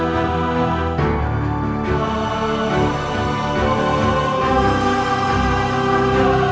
jangan lupa menerima pertemuan